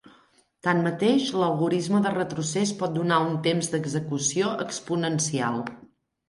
Tanmateix, l'algorisme de retrocés pot donar un temps d'execució exponencial.